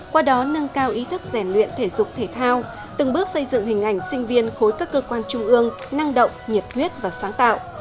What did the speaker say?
qua đó nâng cao ý thức rèn luyện thể dục thể thao từng bước xây dựng hình ảnh sinh viên khối các cơ quan trung ương năng động nhiệt huyết và sáng tạo